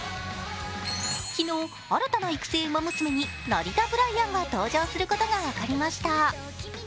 昨日、新たな育成ウマ娘にナリタブライアンが登場することが分かりました。